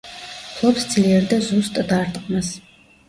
ფლობს ძლიერ და ზუსტ დარტყმას.